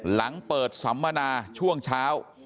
หลังเปิดสัมมนาช่วงเช้า